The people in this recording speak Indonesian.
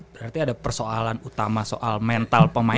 berarti ada persoalan utama soal mental pemain